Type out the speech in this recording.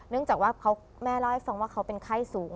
เนื่องจากแม่เล่าให้ฟังว่าเขาเป็นไข้สูง